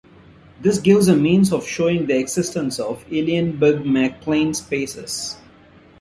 This gives a means of showing the existence of Eilenberg-MacLane spaces.